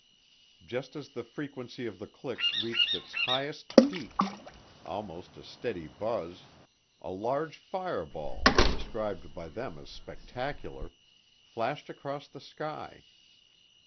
Just as the frequency of the clicks reached its highest peak almost a steady buzz a large fireball, described by them as "spectacular," flashed across the sky.